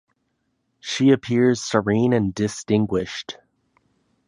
She appears serene and distinguished.